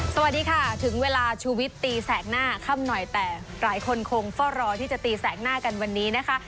สวัสดีค่ะถึงเวลาชูวิตตีแสกหน้าค่ำหน่อยแต่หลายคนคงเฝ้ารอที่จะตีแสกหน้ากันวันนี้นะคะ